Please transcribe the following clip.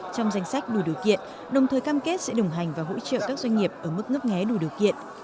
trong danh sách đủ điều kiện đồng thời cam kết sẽ đồng hành và hỗ trợ các doanh nghiệp ở mức ngấp ngé đủ điều kiện